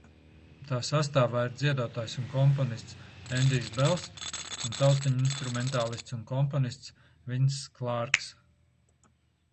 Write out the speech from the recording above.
Tā sastāvā ir dziedātājs un komponists Endijs Bels un taustiņinstrumentālists un komponists Vinss Klārks.